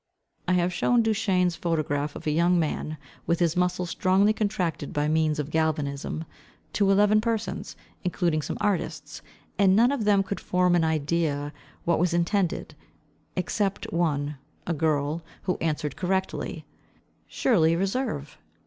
I have shown Duchenne's photograph of a young man, with this muscle strongly contracted by means of galvanism, to eleven persons, including some artists, and none of them could form an idea what was intended, except one, a girl, who answered correctly, "surely reserve."